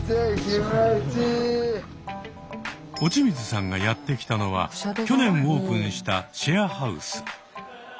落水さんがやって来たのは去年オープンしたシェアハウス。